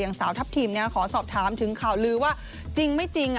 สาวทัพทิมขอสอบถามถึงข่าวลือว่าจริงไม่จริง